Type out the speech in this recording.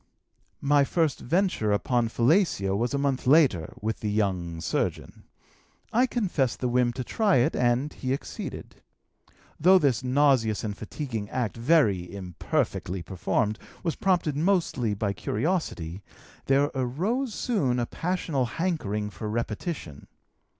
"My first venture upon fellatio was a month later, with the young surgeon. I confessed the whim to try it, and he acceded. Though this nauseous and fatiguing act, very imperfectly performed, was prompted mostly by curiosity, there arose soon a passional hankering for repetition.